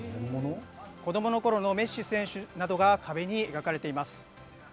子どものころのメッシ選手などが壁に描かれています。